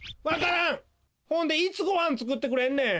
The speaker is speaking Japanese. ほんでいつごはんつくってくれんねん！